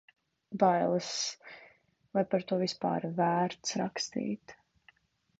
Bailes – vai par to vispār ir vērts rakstīt?